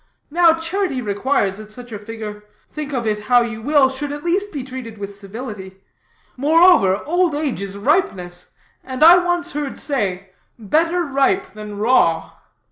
Now charity requires that such a figure think of it how you will should at least be treated with civility. Moreover, old age is ripeness, and I once heard say, 'Better ripe than raw.'"